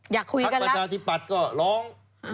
อยากคุยกันละพักประชาธิบัตรก็ร้อง